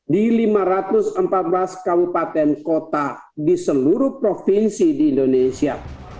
di lima ratus empat belas kabupaten kota di seluruh provinsi di indonesia